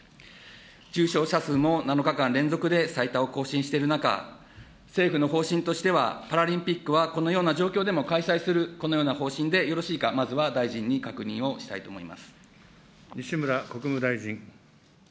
重症者数も７日間連続で最多を更新している中、政府の方針としては、パラリンピックはこのような状況でも開催する、このような方針でよろしいか、まずは大臣に確認をしたいと思います。